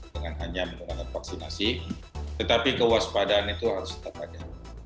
dengan hanya menggunakan vaksinasi tetapi kewaspadaan itu harus tetap ada